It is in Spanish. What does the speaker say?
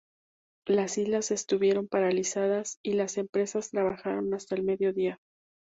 Las islas estuvieron paralizadas y las empresas trabajaron hasta el medio día.